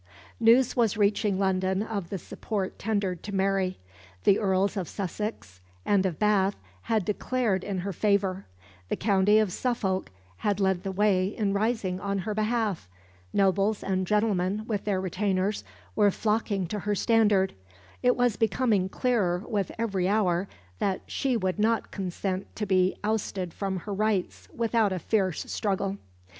News was reaching London of the support tendered to Mary. The Earls of Sussex and of Bath had declared in her favour; the county of Suffolk had led the way in rising on her behalf; nobles and gentlemen, with their retainers, were flocking to her standard; it was becoming clearer with every hour that she would not consent to be ousted from her rights without a fierce struggle.